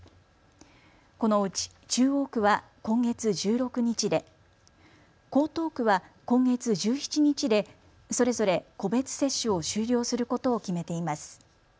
このうち中央区は今月１６日で、江東区は今月１７日でそれぞれ個別接種を終了することを決めています。